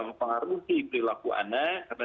mempengaruhi perilaku anak karena